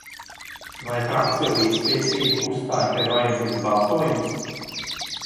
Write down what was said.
"Vai frakcija "Līdztiesība" uzstāj, ka ir vajadzīgs balsojums?"